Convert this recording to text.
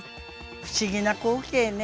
不思議な光景ね。